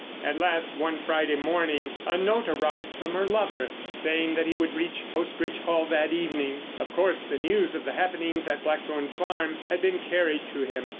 At last, one Friday morning, a note arrived from her lover saying that he would reach Post Bridge Hall that evening. Of course the news of the happenings at Blackthorn Farm had been carried to him.